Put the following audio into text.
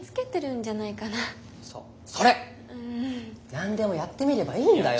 何でもやってみればいいんだよ！